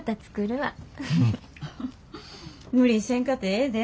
無理せんかてええで。